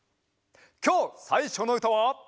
きょうさいしょのうたは。